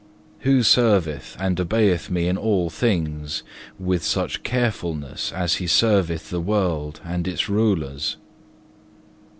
Who serveth and obeyeth Me in all things, with such carefulness as he serveth the world and its rulers?